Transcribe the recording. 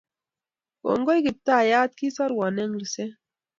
Kongoi Kiptaiyat kisarwon eng' luset.